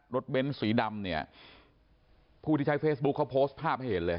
เบ้นสีดำเนี่ยผู้ที่ใช้เฟซบุ๊คเขาโพสต์ภาพให้เห็นเลย